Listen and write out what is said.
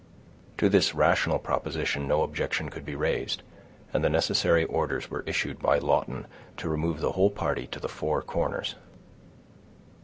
To this rational proposition no objection could be raised, and the necessary orders were issued by Lawton to remove the whole party to the Four Corners.